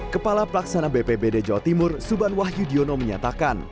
kepala pelaksana bpbd jawa timur subhan wahyu diono menyatakan